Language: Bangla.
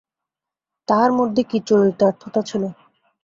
তাহার মধ্যে কী চরিতার্থতা ছিল।